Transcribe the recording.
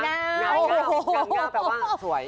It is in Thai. งามง่าวแปลว่าสวย